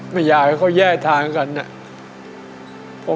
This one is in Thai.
มันอยากให้เขาแย่ทางกันนะ